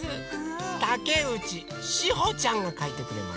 たけうちしほちゃんがかいてくれました。